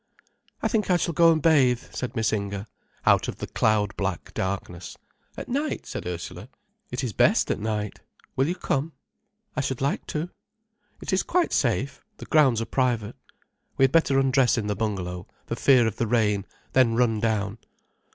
"I think I shall go and bathe," said Miss Inger, out of the cloud black darkness. "At night?" said Ursula. "It is best at night. Will you come?" "I should like to." "It is quite safe—the grounds are private. We had better undress in the bungalow, for fear of the rain, then run down."